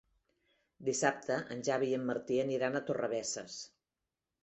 Dissabte en Xavi i en Martí aniran a Torrebesses.